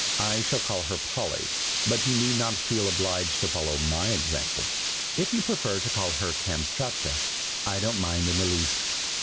I shall call her Polly, but you need not feel obliged to follow my example. If you prefer to call her Kamschatka, I don't mind in the least.